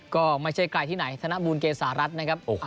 ก็ไม่ใช่ใครที่ไหนธนบูลเกษารัฐนะครับ